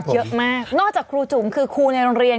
เยอะมากนอกจากครูจุ๋มคือครูในโรงเรียน